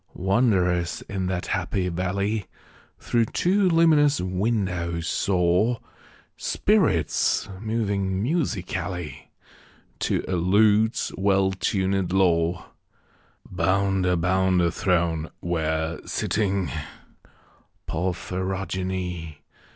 Wanderers in that happy valley, Through two luminous windows, saw Spirits moving musically, To a lute's well tunëd law, Bound about a throne where, sitting (Porphyrogene!)